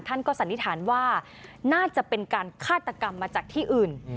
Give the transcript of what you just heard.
ท่านก็สันนิษฐานว่าน่าจะเป็นการฆาตกรรมมาจากที่อื่น